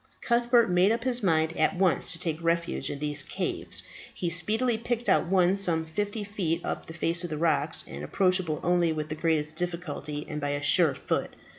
Cuthbert made up his mind at once to take refuge in these caves. He speedily picked out one some fifty feet up the face of the rock, and approachable only with the greatest difficulty and by a sure foot.